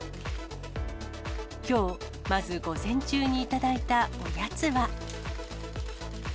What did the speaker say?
きょう、まず午前中に頂いたおやつは。